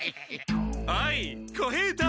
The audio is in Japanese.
おい小平太長次！